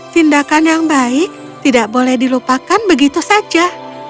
tindakan yang baik tidak boleh dilupakan begitu saja